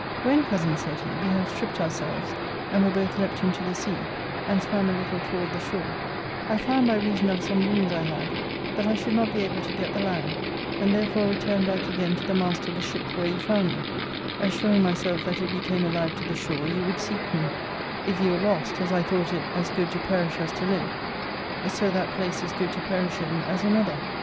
"When, cousin," said he, " we had stript ourselves, and were both leapt into the sea, and swam a little toward the shore, I found by reason of some wounds I had, that I should not be able to get the land, and therefore returned back again to the mast of the ship, where you found me, assuring myself that if you came alive to the shore you would seek me ; if you were lost— as I thought it as good to perish as to live — so that place as good to perish in as another.